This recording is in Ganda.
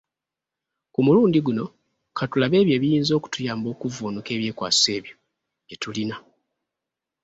Ku mulundi guno, katulabe ebyo ebiyinza okutuyamba okuvvuunuka ebyekwaso ebyo bye tulina.